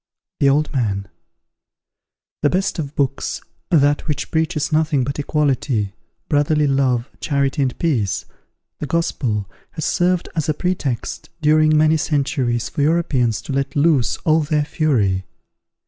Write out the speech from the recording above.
The Old Man. The best of books, that which preaches nothing but equality, brotherly love, charity, and peace, the Gospel, has served as a pretext, during many centuries, for Europeans to let loose all their fury.